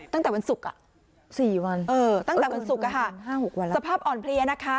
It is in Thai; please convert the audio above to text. ตั้งแต่วันศุกร์๔วันตั้งแต่วันศุกร์สภาพอ่อนเพลียนะคะ